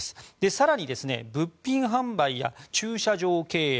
更に、物品販売や駐車場経営